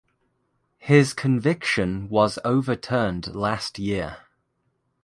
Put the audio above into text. His conviction was overturned last year.